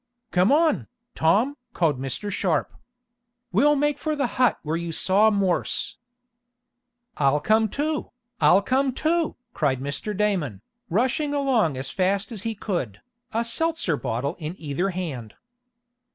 "Come on, Tom!" called Mr. Sharp. "We'll make for the hut where you saw Morse." "I'll come too! I'll come too!" cried Mr. Damon, rushing along as fast as he could, a seltzer bottle in either hand.